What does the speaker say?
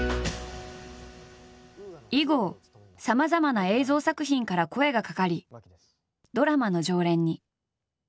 以後さまざまな映像作品から声がかかりドラマの常連に。